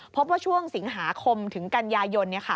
พบว่าช่วงสิงหาคมถึงกันยายน